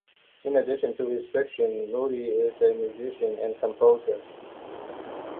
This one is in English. In addition to his fiction, Moody is a musician and composer.